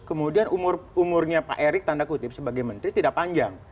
kemudian umurnya pak erik sebagai menteri tidak panjang